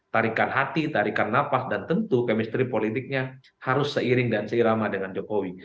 tarikan hati tarikan nafas dan tentu kemistri politiknya harus seiring dan seirama dengan jokowi